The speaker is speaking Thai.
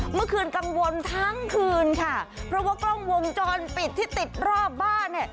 เมื่อคืนกังวลทั้งคืนค่ะเพราะว่ากล้องวงจรปิดที่ติดรอบบ้านเนี่ย